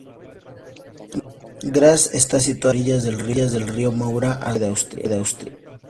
Graz está situada a orillas del río Mura al sureste de Austria.